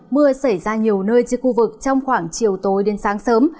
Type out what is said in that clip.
mưa xảy ra nhiều nơi trên khu vực trong khoảng chiều tối đến sáng sớm